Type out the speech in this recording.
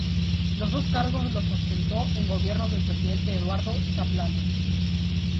Los dos cargos los ostentó en gobiernos del presidente Eduardo Zaplana.